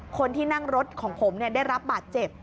คนที่นั่งรถของผมได้รับบาดเจ็บ